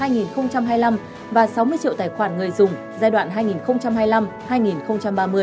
giai đoạn hai nghìn hai mươi ba hai nghìn hai mươi năm và sáu mươi triệu tài khoản người dùng giai đoạn hai nghìn hai mươi năm hai nghìn ba mươi